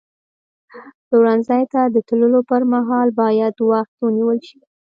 پلورنځي ته د تللو پر مهال باید وخت ونیول شي.